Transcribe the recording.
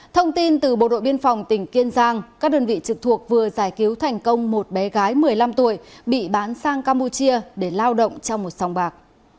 thông tin từ bộ đội biên phòng tỉnh kiên giang các đơn vị trực thuộc vừa giải cứu thành công một bé gái một mươi năm tuổi bị bán sang campuchia để lao động trong một sòng bạc